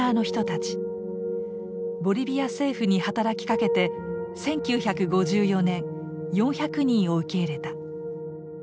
ボリビア政府に働きかけて１９５４年４００人を受け入れた。